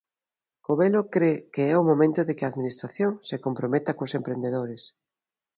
Covelo cre que é o momento de que a administración se comprometa cos emprendedores.